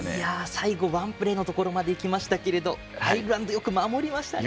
最後ワンプレーのところまでいきましたがアイルランド、よく守りましたね。